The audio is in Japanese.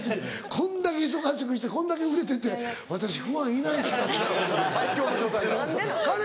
こんだけ忙しくしてこんだけ売れてて「私ファンいない気がする」。